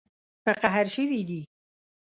په قهر شوي دي